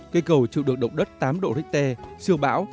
cây cầu chịu được động đất tám độ richter siêu bão